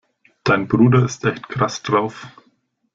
Dein Bruder ist echt krass drauf.